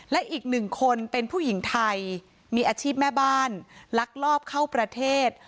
และอีกหนึ่งคนเป็นผู้หญิงไทยมีอาชีพแม่บ้านลักลอบเข้าประเทศ